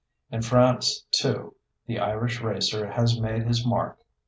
In France, too, the Irish racer has made his mark.